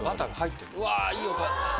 わいい音。